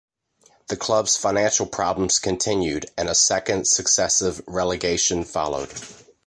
The club's financial problems continued and a second successive relegation followed.